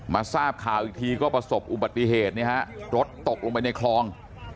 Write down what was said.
ทราบข่าวอีกทีก็ประสบอุบัติเหตุรถตกลงไปในคลอง